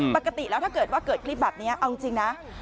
ปกติแล้วถ้าเกิดว่าเกิดคลิปแบบนี้เอาจริงนะ